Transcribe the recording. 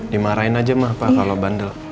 dimarahin aja mah pak kalau bandel